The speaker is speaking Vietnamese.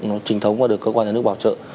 nó trình thống và được cơ quan nhà nước bảo trợ